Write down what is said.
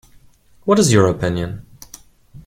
What is your opinion?